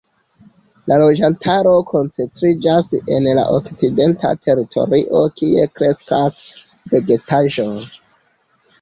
La loĝantaro koncentriĝas en la okcidenta teritorio kie kreskas vegetaĵoj.